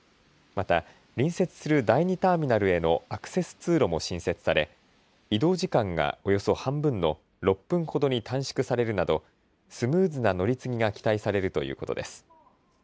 また隣接する第２ターミナルへのアクセス通路も新設され移動時間がおよそ半分の６分ほどに短縮されるなどスムーズな乗り継ぎが期待されるということです。